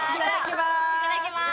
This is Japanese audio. いただきまーす。